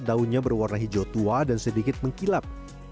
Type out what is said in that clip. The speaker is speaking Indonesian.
daunnya berwarna hijau tua dan sedikit mengkilap